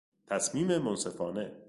تصمیم منصفانه